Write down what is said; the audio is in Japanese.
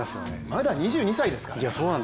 まだ２２歳ですからね。